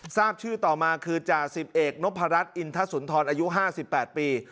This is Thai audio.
ทราบชื่อต่อมาคือจ่าสิบเอกนพรัชอินทสุนทรอายุ๕๘ปี